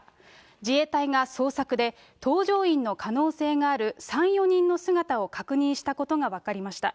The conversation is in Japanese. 自衛隊が捜索で、搭乗員の可能性がある３、４人の姿を確認したことが分かりました。